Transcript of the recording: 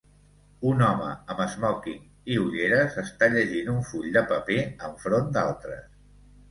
Un home amb esmòquing i ulleres està llegint un full de paper en front d'altres